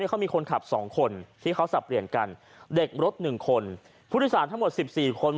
เขามีคนขับ๒คนที่เขาสับเปลี่ยนกันเด็กรถ๑คนผู้โดยสารทั้งหมด๑๔คน